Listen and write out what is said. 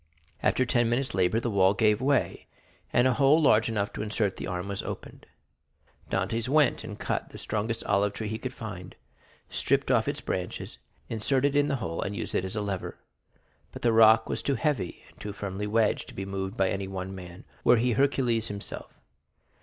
After ten minutes' labor the wall gave way, and a hole large enough to insert the arm was opened. Dantès went and cut the strongest olive tree he could find, stripped off its branches, inserted it in the hole, and used it as a lever. But the rock was too heavy, and too firmly wedged, to be moved by anyone man, were he Hercules himself.